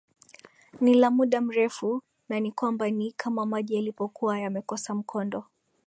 ni la muda mrefu na ni kwamba ni kama maji yalipokuwa yamekosa mkondo